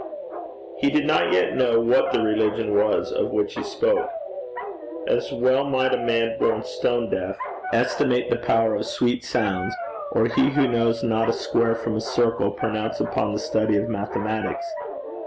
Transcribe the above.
He did not yet know what the religion was of which he spoke. As well might a man born stone deaf estimate the power of sweet sounds, or he who knows not a square from a circle pronounce upon the study of mathematics.